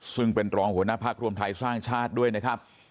ซึ่งเป็นรองหัวหน้าพักรวมไทยสร้างชาติด้วยนะครับ